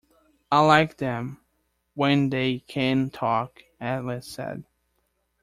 ‘I like them when they can talk,’ Alice said.